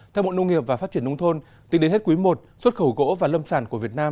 theo bộ nông nghiệp và phát triển nông thôn tính đến hết quý i xuất khẩu gỗ và lâm sản của việt nam